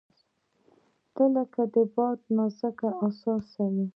• ته لکه د باد نازک احساس یې.